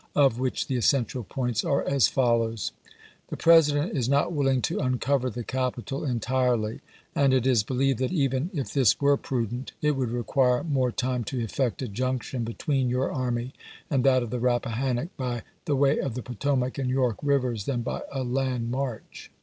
which the essential points are as follows : The President is not willing to uncover the capital entirely, and it is beheved that even if this were prudent, it would require more time to effect a junction between your army and that of the Rappahannock by the way of the Potomac and York rivers than by a land march.